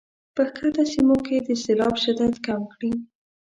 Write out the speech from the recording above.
په ښکته سیمو کې د سیلاب شدت کم کړي.